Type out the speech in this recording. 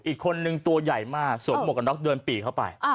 อีกคนนึงตัวใหญ่มากสวมหมวกกันน็อกเดินปีเข้าไป